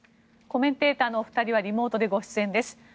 コメンテーターのお二人はリモートでご出演です。